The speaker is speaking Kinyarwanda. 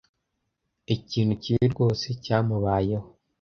Ikintu kibi rwose cyamubayeho.